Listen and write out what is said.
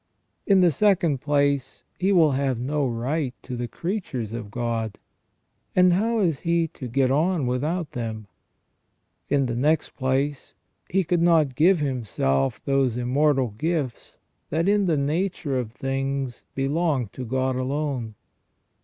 In the second place, he will have no right to the creatures of God ; and how is 17 258 M^IfV MAN WAS NOT CREATED PERFECT he to get on without them ? In the next place, he could not give himself those immortal gifts that, in the nature of things, belong to God alone.